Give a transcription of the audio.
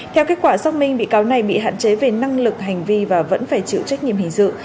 theo kết quả xác minh bị cáo này bị hạn chế về năng lực hành vi và vẫn phải chịu trách nhiệm hình sự